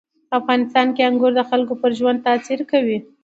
په افغانستان کې انګور د خلکو پر ژوند تاثیر کوي.